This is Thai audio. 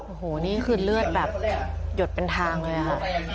โอ้โหนี่คือเลือดแบบหยดเป็นทางเลยค่ะ